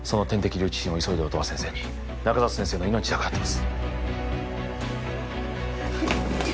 留置針を急いで音羽先生に中里先生の命がかかってます